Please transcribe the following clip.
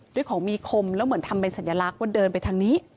ด้วยของมีคมแล้วเหมือนทำเป็นสัญลักษณ์ว่าเดินไปทางนี้